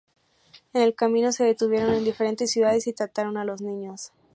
En el camino, se detuvieron en diferentes ciudades, y trataron a los niños.